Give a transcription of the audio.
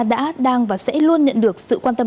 đã đang và sẽ luôn nhận được sự quan tâm